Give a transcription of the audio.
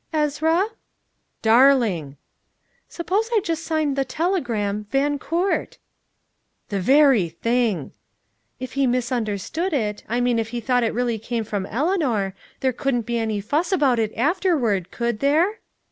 "Ezra?" "Darling!" "Suppose I just signed the telegram Van Coort?" "The very thing!" "If he misunderstood it I mean if he thought it really came from Eleanor there couldn't be any fuss about it afterward, could there?"